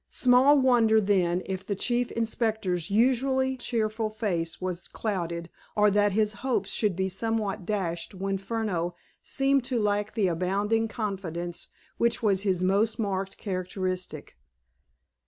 Small wonder, then, if the Chief Inspector's usually cheerful face was clouded, or that his hopes should be somewhat dashed when Furneaux seemed to lack the abounding confidence which was his most marked characteristic.